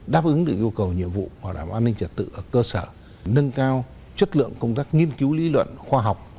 đáp ứng được yêu cầu nhiệm vụ bảo đảm an ninh trật tự ở cơ sở nâng cao chất lượng công tác nghiên cứu lý luận khoa học